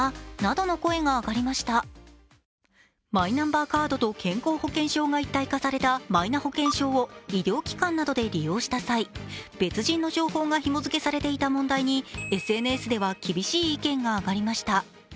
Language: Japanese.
マイナンバーカードと健康保険証が一体化されたマイナ保険証を医療機関などで利用した際、別人の情報がひも付けされていた問題にＳＮＳでは厳しい意見が上がりました